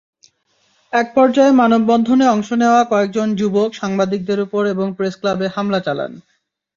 একপর্যায়ে মানববন্ধনে অংশ নেওয়া কয়েকজন যুবক সাংবাদিকদের ওপর এবং প্রেসক্লাবে হামলা চালান।